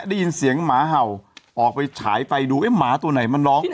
ได้ยินเสียงหมาเห่าออกไปฉายไฟดูเอ๊ะหมาตัวไหนมันร้อง